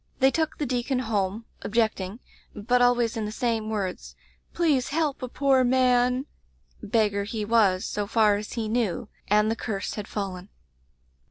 They took the deacon home, ob jecting, but always in the same words, 'Please help a poor man!' Beggar he was, so far as he knew, and the curse had fallen.